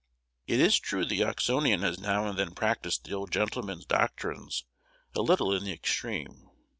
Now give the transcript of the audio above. It is true the Oxonian has now and then practised the old gentleman's doctrines a little in the extreme.